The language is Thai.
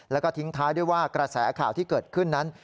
แล้วก็ทิ้งท้ายด้วยว่ากระแสข่าวที่เกิดขึ้นนั้น